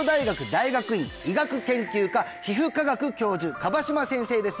大学院医学研究科皮膚科学教授椛島先生です